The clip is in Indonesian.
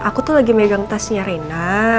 aku tuh lagi megang tasnya reina